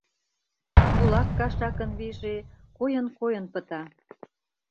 Кулак кашакын вийже койын-койын пыта.